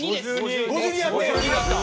５２やって！